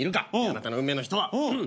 あなたの運命の人は。